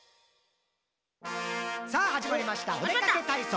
「さぁはじまりましたおでかけたいそう！」